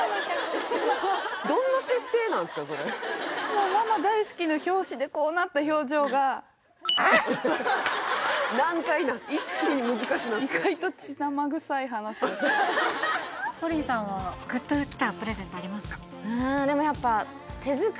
もう「ママ大好き」の表紙でこうなった表情が一気に難しなって意外とＰＯＲＩＮさんはグッときたプレゼントありますか？